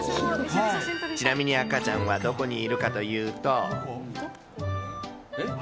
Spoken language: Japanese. ちなみに赤ちゃんはどこにいるかというと。